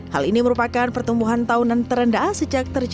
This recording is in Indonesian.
hal ini merupakan pertumbuhan tahunan terendah sejak terjadi